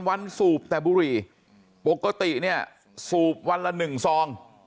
วันสูบแต่บุหรี่ปกติเนี่ยสูบวันละ๑ซอง